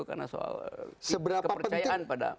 karena soal kepercayaan pada